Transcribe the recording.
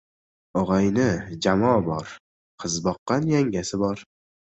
— Og‘ayni-jamoa bor, qiz boqqan yangasi bor.